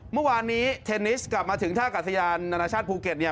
เมื่อวานนี้เทนนิสกลับมาถึงท่ากาศยานนานาชาติภูเก็ตเนี่ย